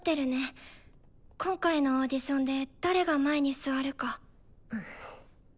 今回のオーディションで誰が前に座るか。